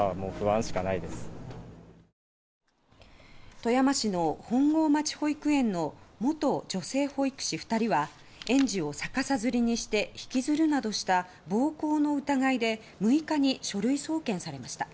富山市の本郷町保育園の元女性保育士２人は園児を逆さづりにして引きずるなどした暴行の疑いで６日に書類送検されました。